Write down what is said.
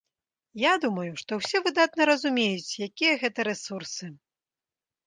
Я думаю, што ўсе выдатна разумеюць, якія гэта рэсурсы.